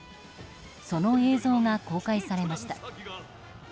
その映像が公開されました。